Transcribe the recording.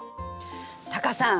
タカさん！